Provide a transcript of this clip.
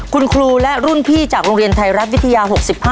คุณครูและรุ่นพี่จากโรงเรียนไทยรัฐวิทยา๖๕